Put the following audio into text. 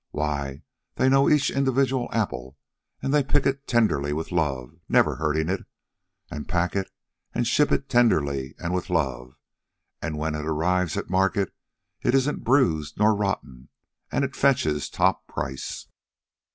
Why, they know each individual apple, and they pick it tenderly, with love, never hurting it, and pack it and ship it tenderly and with love, and when it arrives at market, it isn't bruised nor rotten, and it fetches top price.